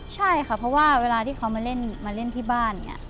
ใช่ค่ะเพราะว่าเวลาที่เขามาเล่นที่บ้าน